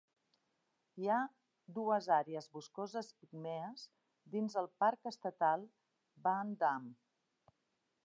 Hi ha dues àrees boscoses pigmees dins del Parc Estatal Van Damme.